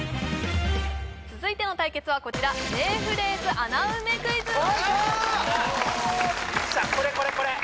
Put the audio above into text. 続いての対決はこちらこれこれこれ！